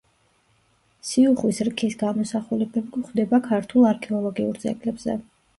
სიუხვის რქის გამოსახულებები გვხვდება ქართულ არქეოლოგიურ ძეგლებზე.